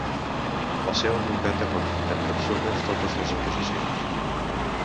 El seu advocat ha qualificat d’absurdes totes les acusacions.